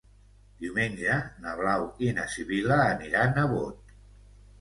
Diumenge na Blau i na Sibil·la aniran a Bot.